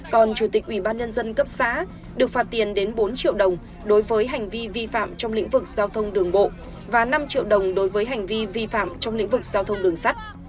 còn chủ tịch ủy ban nhân dân cấp xã được phạt tiền đến bốn triệu đồng đối với hành vi vi phạm trong lĩnh vực giao thông đường bộ và năm triệu đồng đối với hành vi vi phạm trong lĩnh vực giao thông đường sắt